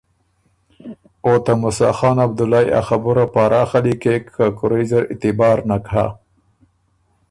او ته موسیٰ خان عبدُالئ ا خبُره پاراخه لیکېک که کُورئ زر اعتبار نک هۀ